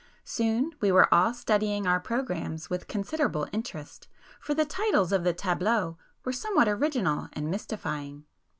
Soon we were all studying our programmes with considerable interest, for the titles of the 'Tableaux' were somewhat original and mystifying.